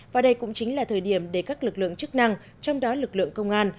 và đây cũng chính là thời điểm để các lực lượng chức năng trong đó lực lượng công an